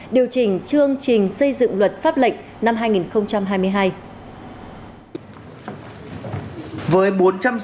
điều chỉnh chương trình xây dựng luật pháp lệnh năm hai nghìn hai mươi hai